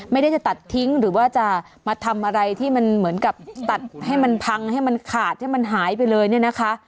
ไม่ได้จะตัดทิ้งหรือว่าจะมาทำอะไรที่มันเหมือนกับตัดให้มันพังให้มันขาดให้มันหายไปเลยเนี่ยนะคะ